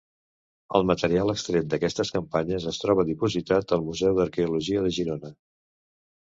El material extret d'aquestes campanyes es troba dipositat al Museu d'Arqueologia de Girona.